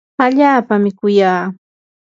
allaapami kuyaa.